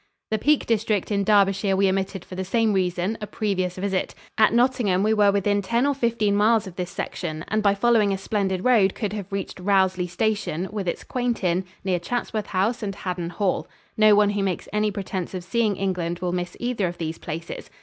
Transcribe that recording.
The Peak District in Derbyshire we omitted for the same reason a previous visit. At Nottingham we were within ten or fifteen miles of this section, and by following a splendid road could have reached Rowsley Station, with its quaint inn, near Chatsworth House and Haddon Hall. No one who makes any pretense of seeing England will miss either of these places.